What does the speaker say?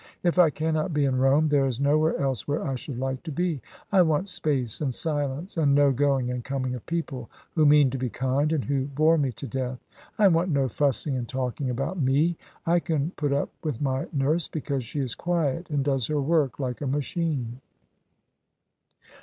If I cannot be in Rome there is nowhere else where I should like to be. I want space and silence, and no going and coming of people who mean to be kind and who bore me to death. I want no fussing and talking about me. I can put up with my nurse, because she is quiet and does her work like a machine."